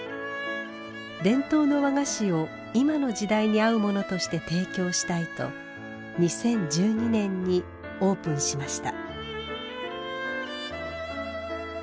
伝統の和菓子を今の時代に合うものとして提供したいと２０１２年にオープンしました。